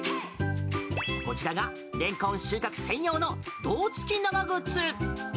こちらがレンコン収穫専用の胴付き長靴。